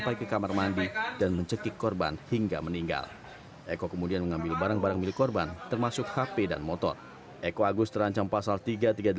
pembunuhan adalah faktor ekonomi